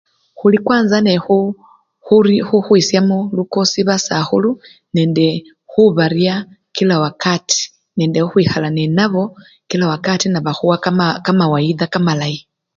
huli kwanza nehu huu huhwishamo lukosi basahulu nende hubarya kila wakati nende huhwuhala nenabo kila wakati ne bahuwa kama kamawida kamalayi